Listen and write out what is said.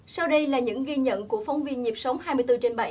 sau đây là những ghi nhận của phóng viên nhịp sống hai mươi bốn trên bảy